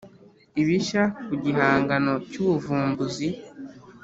ibishya ku gihangano cy ‘ubuvumbuzi